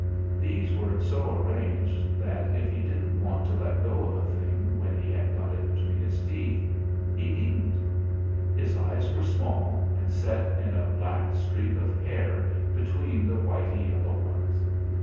These were so arranged that if he didn't want to let go of a thing when he 268 THE FLINT HEART had got it between his teeth, he needn't. His eyes were small and set in a black streak of hair between the whitey yellow ones.